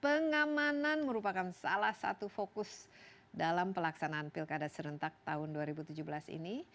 pengamanan merupakan salah satu fokus dalam pelaksanaan pilkada serentak tahun dua ribu tujuh belas ini